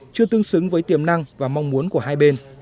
chưa tương xứng với tiềm năng và mong muốn của hai bên